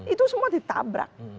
itu semua ditabrak